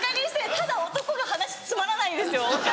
ただ男が話つまらないんですよ